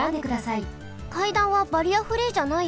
かいだんはバリアフリーじゃないよね？